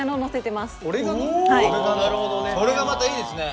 それがまたいいですね。